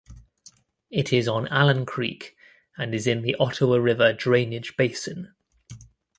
It is on Allen Creek and is in the Ottawa River drainage basin.